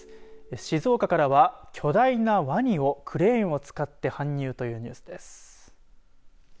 静岡からは巨大なワニをクレーンを使って搬入というニュースです。